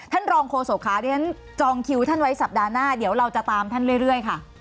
ท่านรองโครโสปคะจองคิวท่านไว้สัปดาห์หน้าเราจะตามท่านเรื่อยค่ะ